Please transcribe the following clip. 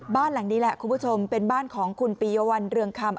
บ้านหลังนี้แหละคุณผู้ชมเป็นบ้านของคุณปียวัลเรืองคำ